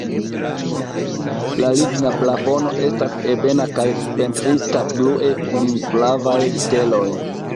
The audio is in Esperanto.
La ligna plafono estas ebena kaj pentrita blue kun flavaj steloj.